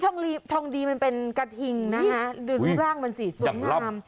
นี่ทองดีมันเป็นกระทิงนะฮะดูร่างมันสีสูงน้ำ